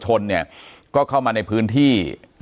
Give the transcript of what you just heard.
อย่างที่บอกไปว่าเรายังยึดในเรื่องของข้อ